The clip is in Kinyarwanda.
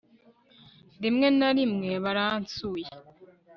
rimwe na rimwe baransuye